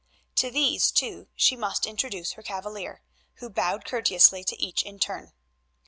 To these, too, she must introduce her cavalier, who bowed courteously to each in turn.